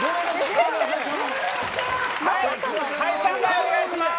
スタンバイお願いします！